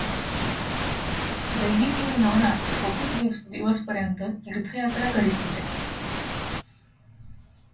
गैरीपीर नवनाथ बहुत दिवसपर्यंत तीर्थयात्रा करित होते.